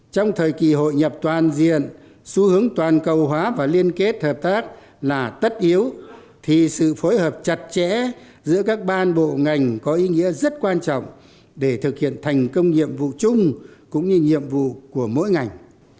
trong thời kỳ hội nhập toàn diện xu hướng toàn cầu hóa và liên kết hợp tác là tất yếu thì sự phối hợp chặt chẽ giữa các ban bộ ngành có ý nghĩa rất quan trọng để thực hiện thành công nhiệm vụ chung cũng như nhiệm vụ của mỗi ngành